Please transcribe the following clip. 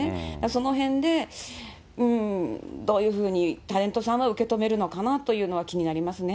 そのへんでうーん、どういうふうにタレントさんは受け止めるのかなというのは気になりますね。